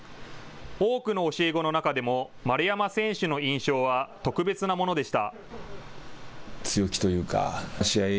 多くの教え子の中でも丸山選手の印象は特別なものでした。